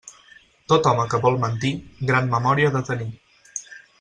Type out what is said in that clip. Tot home que vol mentir, gran memòria ha de tenir.